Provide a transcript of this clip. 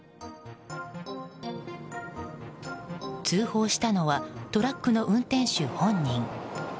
通報したのはトラックの運転手本人。